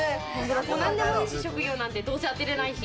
もう何でもいい職業なんて、どうせ当てれないし。